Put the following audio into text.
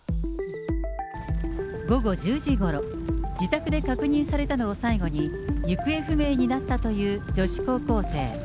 午後１０時ごろ、自宅で確認されたのを最後に、行方不明になったという女子高校生。